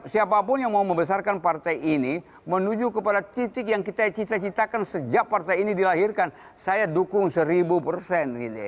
siapapun yang mau membesarkan partai ini menuju kepada titik yang kita cita citakan sejak partai ini dilahirkan saya dukung seribu persen